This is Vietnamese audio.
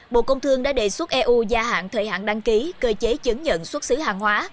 bộ công thương đã đề xuất eu gia hạn thời hạn đăng ký cơ chế chứng nhận xuất xứ hàng hóa